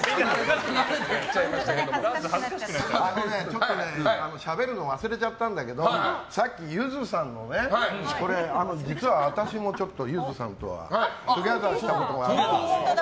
ちょっとねしゃべるの忘れちゃったんだけどさっきゆずさんのね、実は私もゆずさんとはトゥギャザーしたことがあって。